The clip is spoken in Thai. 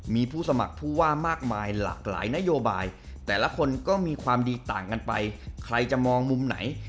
มีผู้สมัครผู้ว่ามากมายหลากหลายนโยบายแต่ละคนก็มีความดีต่างกันไปใครจะมองมุมไหน